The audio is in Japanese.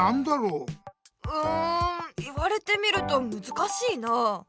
うん言われてみるとむずかしいなあ。